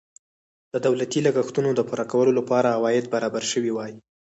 د دولتي لګښتونو د پوره کولو لپاره عواید برابر شوي وای.